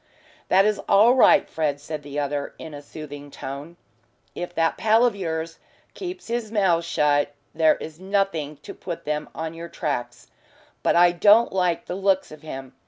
"That is all right, Fred," said the other, in a soothing tone. "If that pal of yours keeps his mouth shut there is nothing to put them on your tracks. But I don't like the looks of him.